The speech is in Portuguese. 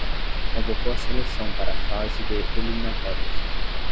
Convocou a seleção para a fase de eliminatórias